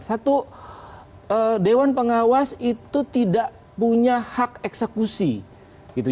satu dewan pengawas itu tidak punya hak eksekusi gitu